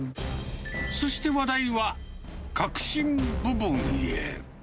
そして話題は、核心部分へ。